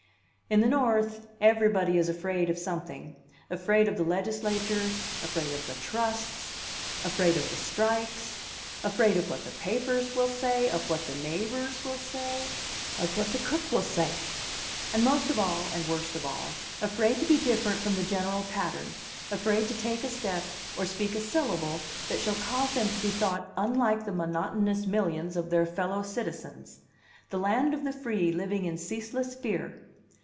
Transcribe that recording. In the North, everybody is afraid of something: afraid of the legislature, afraid of the trusts, afraid of the strikes, afraid of what the papers will say, of what the neighbors will say, of what the cook will say; and most of all, and worst of all, afraid to be different from the general pattern, afraid to take a step or speak a syllable that shall cause them to be thought unlike the monotonous millions of their fellow citizens; the land of the free living in ceaseless fear!